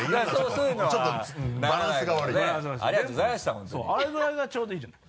そうあれぐらいがちょうどいいんじゃない？